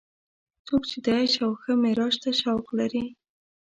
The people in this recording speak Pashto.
څوک چې د عیش او ښه معراج ته شوق لري.